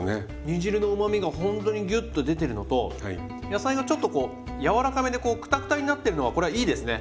煮汁のうまみがほんとにギュッと出てるのと野菜がちょっとこう柔らかめでこうクタクタになってるのがこれはいいですね。